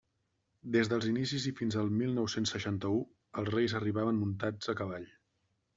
Des dels seus inicis i fins al mil nou-cents seixanta-u, els Reis arribaven muntats a cavall.